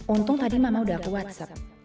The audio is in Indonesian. untung tadi mama udah ke whatsapp